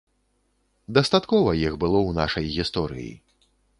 Дастаткова іх было ў нашай гісторыі.